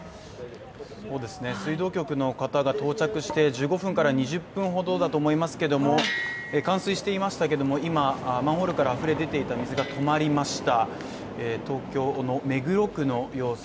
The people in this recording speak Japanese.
水道局の方が到着して１５分から２０分ほどだと思いますけど冠水していましたけれども今、マンホールからあふれ出ていた水が止まりました。